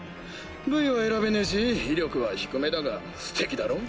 部位は選べねぇし威力は低めだが素敵だろ？